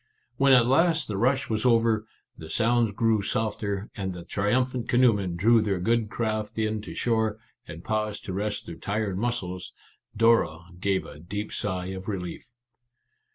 When at last the rush was over, the sounds grew softer, and the trium phant canoemen drew their good craft in to shore, and paused to rest their tired muscles, Dora gave a deep sigh of relief.